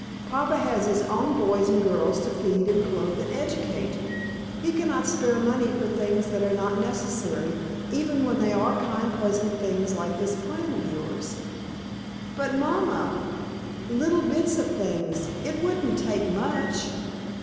Papa has his own boys and girls to feed and clothe and educate. He cannot spare money for things that are not necessary, even when they are kind pleasant things like this plan of yours." "But, mamma little bits of things! It wouldn't take much!"